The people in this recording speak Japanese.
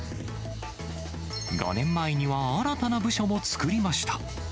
５年前には、新たな部署も作りました。